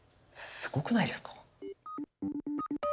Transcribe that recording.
すごくないですか？